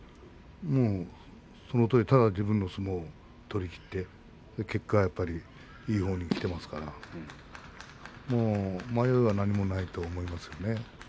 そのとおり、ただ自分の相撲を取りきって結果やっぱりいいほうにきていますからもう迷いは何もないと思いますね。